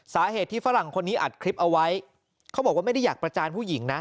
สาเหตุที่ฝรั่งคนนี้อัดคลิปเอาไว้เขาบอกว่าไม่ได้อยากประจานผู้หญิงนะ